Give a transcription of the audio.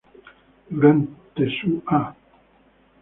Durante su a